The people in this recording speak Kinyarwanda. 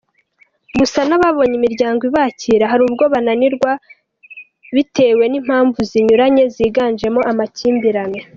Gusa n’ababonye imiryango ibakira, hari ubwo bananiranwa bitewe n’ impamvu zinyuranye ziganjemo amakimbirane.